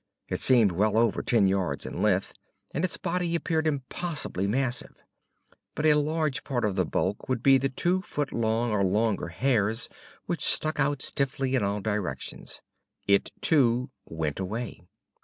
It seemed well over ten yards in length, and its body appeared impossibly massive. But a large part of the bulk would be the two foot long or longer hairs which stuck out stiffly in all directions. It, too, went away.